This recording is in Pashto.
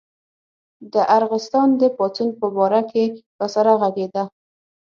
د ارغستان د پاڅون په باره کې راسره غږېده.